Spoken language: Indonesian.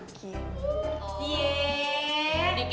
oh dikit apa banyak